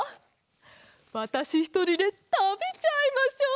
わたしひとりでたべちゃいましょう。